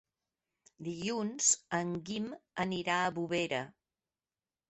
Dilluns en Guim anirà a Bovera.